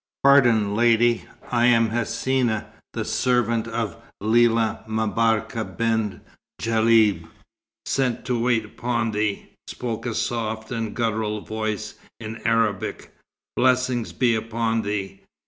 "Pardon, lady, I am Hsina, the servant of Lella M'Barka Bent Djellab, sent to wait upon thee," spoke a soft and guttural voice, in Arabic. "Blessings be upon thee!"